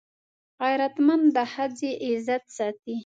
غیرتمند د ښځې عزت ساتي